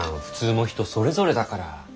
普通も人それぞれだから。